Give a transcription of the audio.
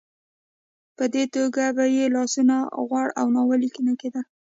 په دې توګه به یې لاسونه غوړ او ناولې نه کېدل.